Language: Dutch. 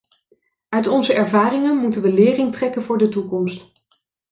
Uit onze ervaringen moeten we lering trekken voor de toekomst.